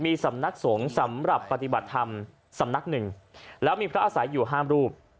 มีสำนักสงฆ์สำหรับปฏิบัติธรรมสำนักหนึ่งแล้วมีพระอาศัยอยู่ห้ามรูป